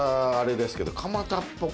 あれですけど。